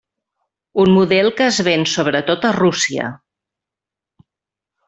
Un model que es ven sobretot a Rússia.